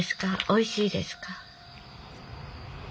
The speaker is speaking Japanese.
おいしいですか？